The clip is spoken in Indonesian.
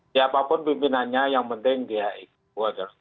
siapapun pimpinannya yang penting dia ikut